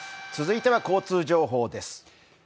続いては交通情報です。